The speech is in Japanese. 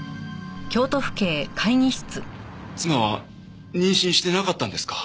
妻は妊娠してなかったんですか？